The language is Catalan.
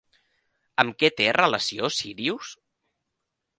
Amb què té relació Sírius?